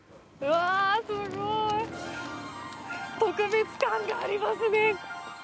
すごい特別感がありますね！